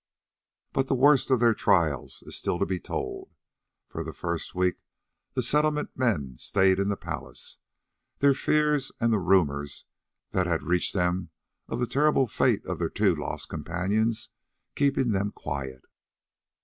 But the worst of their trials is still to be told. For the first week the Settlement men stayed in the palace, their fears and the rumours that had reached them of the terrible fate of their two lost companions keeping them quiet.